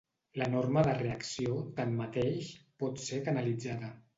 La norma de reacció, tanmateix, pot ser canalitzada.